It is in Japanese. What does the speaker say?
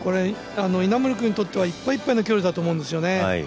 稲森君にとっては、いっぱいいっぱいの距離だと思うんですね。